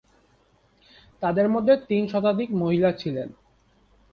তাদের মধ্যে তিন শতাধিক মহিলা ছিলেন।